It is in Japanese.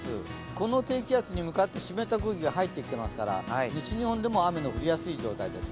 この低気圧に向かって湿った空気が入ってきていますから西日本でも雨の降りやすい状態です。